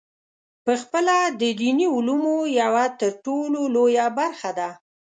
پخپله د دیني علومو یوه ترټولو لویه برخه ده.